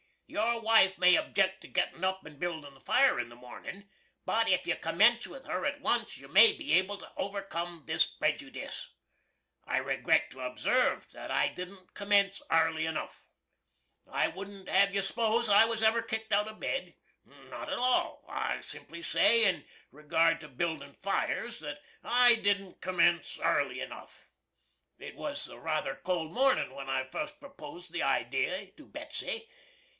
Your wife may objeck to gittin' up and bildin' the fire in the mornin', but if you commence with her at once you may be able to overkum this prejoodiss. I regret to obsarve that I didn't commence arly enuff. I wouldn't have you s'pose I was ever kicked out of bed. Not at all. I simply say, in regard to bildin' fires, that, I didn't commence arly enuff. It was a ruther cold mornin' when I fust proposed the idee to Betsy.